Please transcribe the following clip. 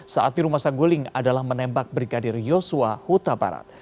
saat di rumah saguling adalah menembak brigadir yosua huta barat